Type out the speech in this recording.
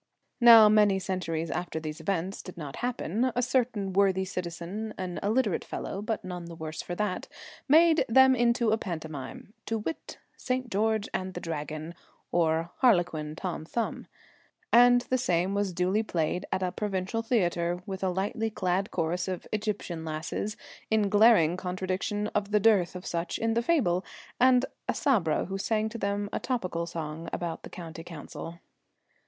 Now many centuries after these events did not happen, a certain worthy citizen, an illiterate fellow, but none the worse for that, made them into a pantomime to wit, St. George and the Dragon; or, Harlequin Tom Thumb. And the same was duly played at a provincial theatre, with a lightly clad chorus of Egyptian lasses, in glaring contradiction of the dearth of such in the fable, and a Sabra who sang to them a topical song about the County Council.